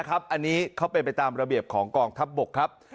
อันนี้เขาเป็นไปตามระเบียบของกองทัพบกครับ